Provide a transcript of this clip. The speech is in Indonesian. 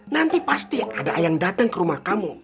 nanti pasti ada yang datang ke rumah kamu